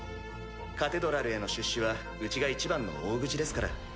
カテドラルへの出資はうちがいちばんの大口ですから。